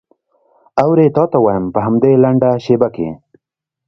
اورې تا ته وایم په همدې لنډه شېبه کې.